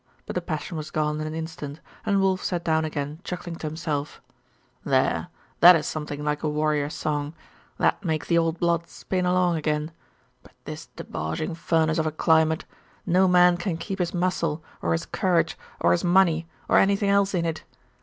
But the passion was gone in an instant, and Wulf sat down again chuckling to himself 'There that is something like a warrior's song. That makes the old blood spin along again! But this debauching furnace of a climate! no man can keep his muscle, or his courage, or his money, or anything else in it.